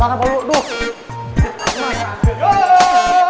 nah ada yang juga mistress